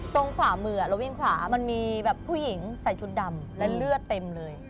ตรงขวามือเราวิ่งขวามันมีแบบผู้หญิงใส่ชุดดำและเลือดเต็มเลย